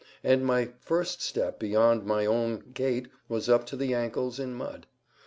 And my first step beyond my own gate was up to the ankles, in mud.